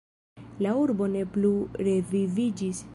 La urbo ne plu reviviĝis.